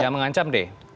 yang mengancam d